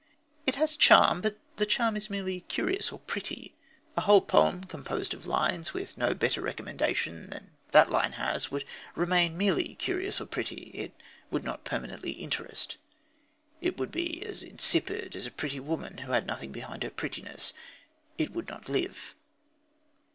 It has charm, but the charm is merely curious or pretty. A whole poem composed of lines with no better recommendation than that line has would remain merely curious or pretty. It would not permanently interest. It would be as insipid as a pretty woman who had nothing behind her prettiness. It would not live.